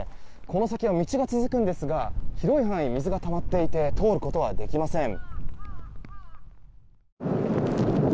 この先は道が続くんですが広い範囲に水がたまっていて通ることはできません。